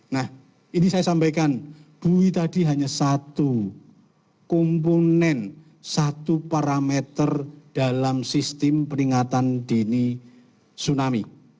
nah ini saya sampaikan bui tadi hanya satu komponen satu parameter dalam sistem peringatan dini tsunami